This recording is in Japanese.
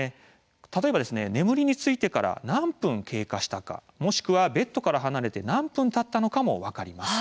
例えば、眠りについて何分経過したのかとかもしくはベッドから離れて何分たったのかも分かります。